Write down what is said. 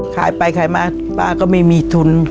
ขายไปขายมาป้าก็ไม่มีทุน